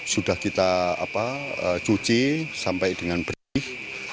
sudah kita cuci sampai dengan bersih